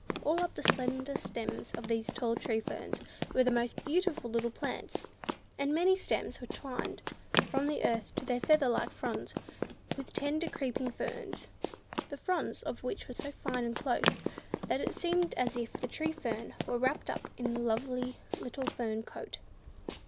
All up the slender stems of these tall tree ferns were the most beautiful little plants, and many stems were twined, from the earth to their feather like fronds, with tender creeping ferns—the fronds of which were so fine and close, that it seemed as if the tree fern were wrapped up in a lovely little fern coat.